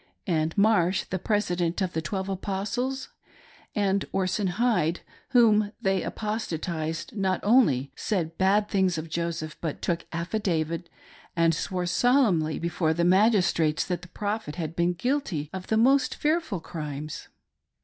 And Marsh, the president of the twelve apostles, and Orson Hyde, when they apostatised not only said bad things of Joseph, but took affidavit and swore solemnly before the magistrates that the prophet had been guilty of the most fearful crimes."